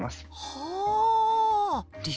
はあ！